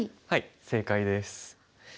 はい正解です。